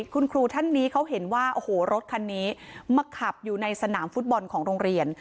คุณครูท่านนี้เขาเห็นว่าโอ้โหรถคันนี้มาขับอยู่ในสนามฟุตบอลของโรงเรียน